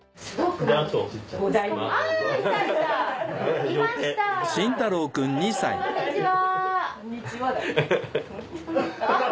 こんにちはだよ。